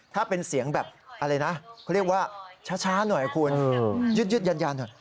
ถ้าเป็นเสียงแบบเรียกว่าช้าหน่อยครับยึดยันหน่อย